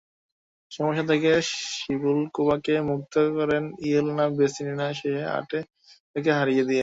সমস্যা থেকে সিবুলকোভাকে মুক্ত করেন ইয়েলেনা ভেসনিনা, শেষ আটে তাঁকে হারিয়ে দিয়ে।